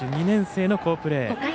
２年生の好プレー。